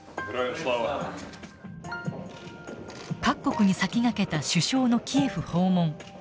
各国に先駆けた首相のキエフ訪問。